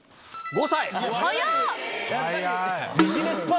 ５歳？